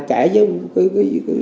kẽ trong cái kẽ bàn tay của đấu tượng này